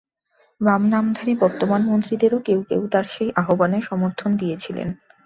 বাম নামধারী বর্তমান মন্ত্রীদেরও কেউ কেউ তাঁর সেই আহ্বানে সমর্থন দিয়েছিলেন।